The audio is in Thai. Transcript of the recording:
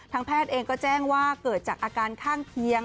แพทย์เองก็แจ้งว่าเกิดจากอาการข้างเคียง